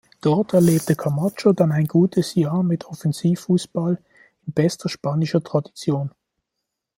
Dort erlebte Camacho dann ein gutes Jahr mit Offensivfußball in bester spanischer Tradition.